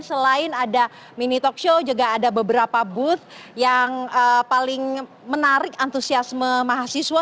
selain ada mini talk show juga ada beberapa booth yang paling menarik antusiasme mahasiswa